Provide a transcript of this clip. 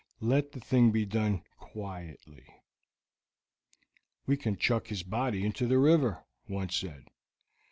Let the thing be done quietly." "We can chuck his body into the river," one said.